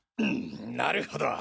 なるほど。